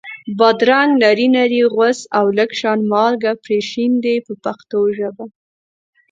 بادرنګ نري نري غوڅ او لږ شان مالګه پرې شیندئ په پښتو ژبه.